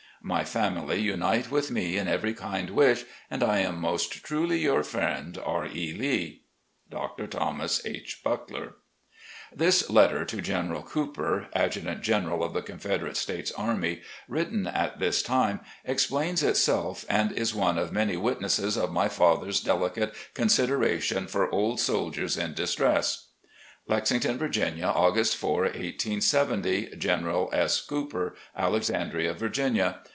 My family unite with me in every kind wish, and I am most truly, "Your friend, "R. E. Lee. "Dr. Thomas H. Buckler." This letter to General Cooper (Adjutant General of the Confederate States Army), written at this time, explains itself, and is one of many witnesses of my father's delicate consideration for old soldiers in distress : "Lexington, Vir^nia, August 4, 1870. "General S. Cooper, "Alexandria, Virginia.